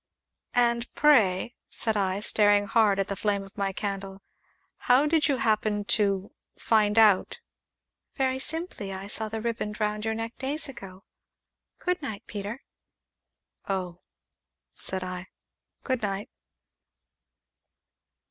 "And, pray," said I, staring hard at the flame of my candle, "how did you happen to find out ?" "Very simply I saw the riband round your neck days ago. Good night, Peter!" "Oh," said I. "Good night!"